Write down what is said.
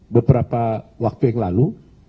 beberapa waktu yang lalu